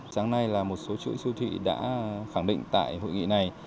sáng nay là một số chuỗi siêu thị đã khẳng định tại hội nghị này